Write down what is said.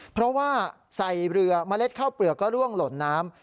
เพราะว่าใส่เรือเมล็ดข้าวเปลือกก็ร่วงหล่นน้ำ